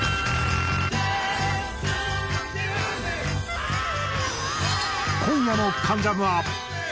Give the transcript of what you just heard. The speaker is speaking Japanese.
あ今夜の『関ジャム』は。